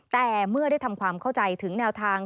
แต่เมื่อได้ทำความเข้าใจถึงแนวทาง